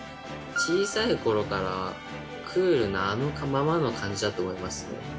小さいころからクールなあのままの感じだと思います。